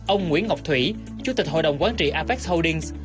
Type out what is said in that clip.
ông nguyễn ngọc thủy chủ tịch hội đồng quản trị apex holdings